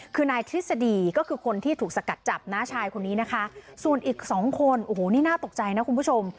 คือนายทฤษฎีก็คือคนที่ถูกสกัดจับน้าชายคนนี้นะคะส่วนอีกสองคนโอ้โหนี่น่าตกใจนะคุณผู้ชม